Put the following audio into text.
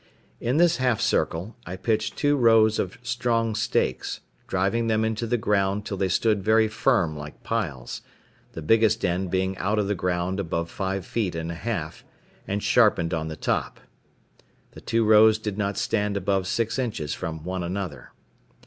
In this half circle I pitched two rows of strong stakes, driving them into the ground till they stood very firm like piles, the biggest end being out of the ground above five feet and a half, and sharpened on the top. The two rows did not stand above six inches from one another.